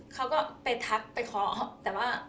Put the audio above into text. เขาก็ไปทักไปเคาะแต่ว่า